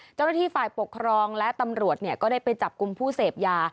เจ้าหน้าที่ฝ่ายปกครองและตำรวจก็ได้ไปจับกลุ่มผู้เสพยา